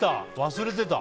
忘れてた。